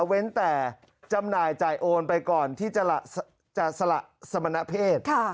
เว้นแต่จำหน่ายจ่ายโอนไปก่อนที่จะสละสมณเพศ